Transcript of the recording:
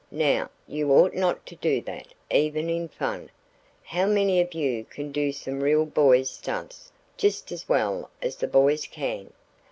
Now, you ought not to do that, even in fun. How many of you can do some real boys' stunts just as well as the boys can?"